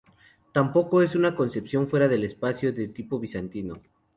Tampoco es una concepción fuera del espacio de tipo bizantino.